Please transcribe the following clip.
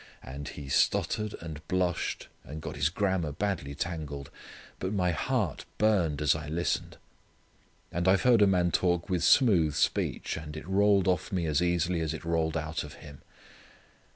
And he stuttered and blushed and got his grammar badly tangled, but my heart burned as I listened. And I have heard a man talk with smooth speech, and it rolled off me as easily as it rolled out of him.